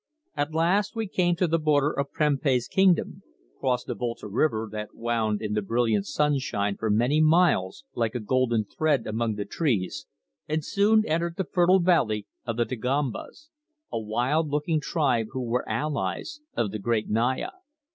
At last we came to the border of Prempeh's kingdom, crossed the Volta river that wound in the brilliant sunlight for many miles like a golden thread among the trees, and soon entered the fertile country of the Dagombas, a wild looking tribe who were allies of the great Naya.